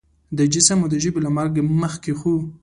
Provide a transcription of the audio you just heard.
د جسم او د ژبې له مرګ مخکې خو